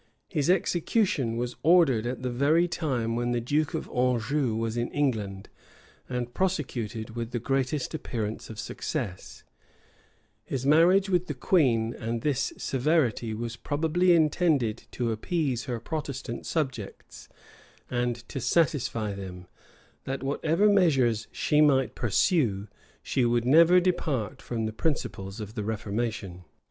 His execution was ordered at the very time when the duke of Anjou was in England, and prosecuted, with the greatest appearance of success, his marriage with the queen; and this severity was probably intended to appease her Protestant subjects, and to satisfy them, that whatever measures she might pursue, she never would depart from the principles of the reformation.